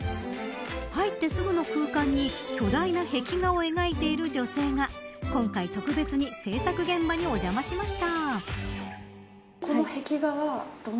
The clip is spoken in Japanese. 入ってすぐの空間に巨大な壁画を描いている女性が今回、特別に制作現場にお邪魔しました。